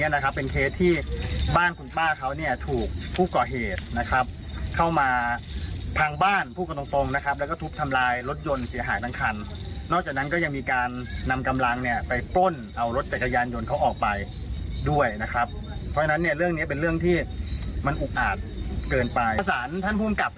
เร่งประสานพนักงานสอบสวนนะครับ